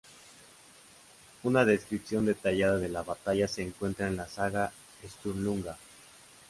Una descripción detallada de la batalla se encuentra en la "saga Sturlunga".